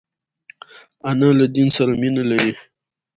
انا له دین سره مینه لري